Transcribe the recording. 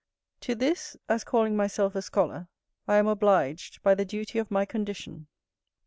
To this (as calling myself a scholar) I am obliged by the duty of my condition.